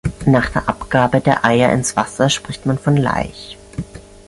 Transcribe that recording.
Nach der Abgabe der Eier ins Wasser spricht man von Laich.